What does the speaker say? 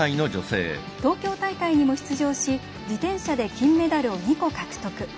東京大会にも出場し自転車で金メダルを２個獲得。